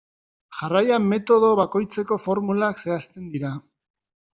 Jarraian, metodo bakoitzeko formulak zehazten dira.